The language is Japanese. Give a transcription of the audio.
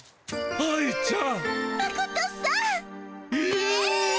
愛ちゃん。